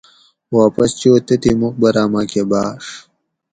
واپس چو تتھیں مُقبراۤ ماۤکہ بھاۤڛ